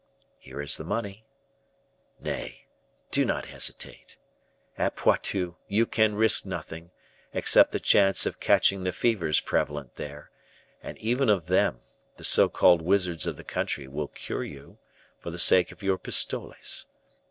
Here is the money. Nay, do not hesitate. At Poitou, you can risk nothing, except the chance of catching the fevers prevalent there; and even of them, the so called wizards of the country will cure you, for the sake of your pistoles.